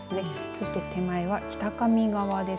そして手前は北上川です。